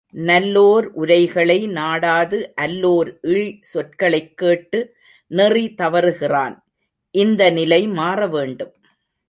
நல்லோர் உரைகளை நாடாது அல்லோர் இழி சொற்களைக் கேட்டு நெறி தவறுகிறான். இந்த நிலை மாறவேண்டும்.